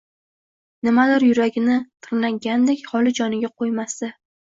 Nimadir yuragini tirnagandek, holi joniga koʼymasdi.